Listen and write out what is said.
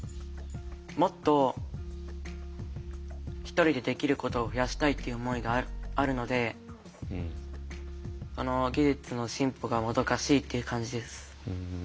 もっと１人でできることを増やしたいっていう思いがあるので技術の進歩がもどかしいっていう感じです。